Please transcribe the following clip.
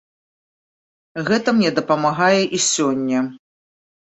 Гэта мне дапамагае і сёння.